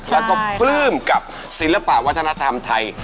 แล้วก็ปลื้มกับศิลปะวัฒนธรรมไทย